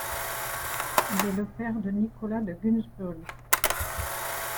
Il est le père de Nicolas de Gunzburg.